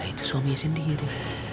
itu suami sendiri